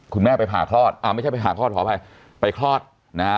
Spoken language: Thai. คุณแม่ไปผ่าคลอดอ่าไม่ใช่ไปผ่าคลอดขออภัยไปคลอดนะฮะ